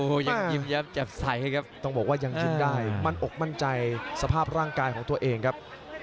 โอ้โหยังยิบยับแจบใสครับ